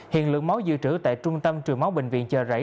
hiện lượng máu dự trữ tại trung tâm truyền máu bệnh viện chờ rẫy